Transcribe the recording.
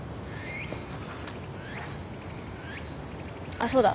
あっそうだ。